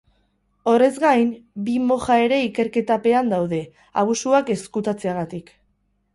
Horrez gain, bi moja ere ikerketapean daude, abusuak ezkutatzeagatik.